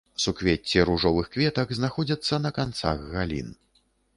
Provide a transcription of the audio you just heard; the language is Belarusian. Суквецці ружовых кветак знаходзяцца на канцах галін.